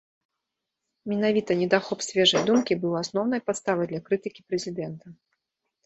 Менавіта недахоп свежай думкі быў асноўнай падставай для крытыкі прэзідэнта.